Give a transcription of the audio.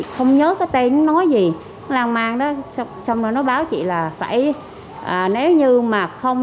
không nhớ cái tên nó nói gì nó lang mang đó xong rồi nó báo chị là phải nếu như mà không